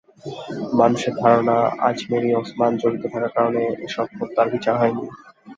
মানুষের ধারণা, আজমেরী ওসমান জড়িত থাকার কারণে এসব হত্যার বিচার হয়নি।